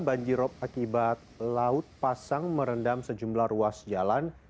banjir op akibat laut pasang merendam sejumlah ruas jalan